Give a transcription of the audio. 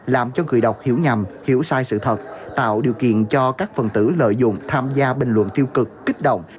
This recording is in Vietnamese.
làm cho người đọc hiểu nhầm hiểu sai sự thật tạo điều kiện cho các phần tử lợi dụng tham gia bình luận tiêu cực kích động